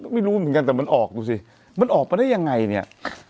ไม่รู้เหมือนกันแต่มันออกดูสิมันออกมาได้ยังไงเนี่ย